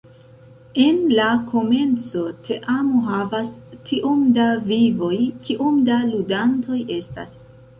En la komenco teamo havas tiom da "vivoj", kiom da ludantoj estas.